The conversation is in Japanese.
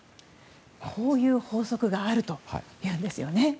こういう法則があるというんですよね。